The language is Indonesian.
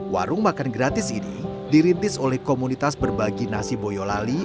warung makan gratis ini dirintis oleh komunitas berbagi nasi boyolali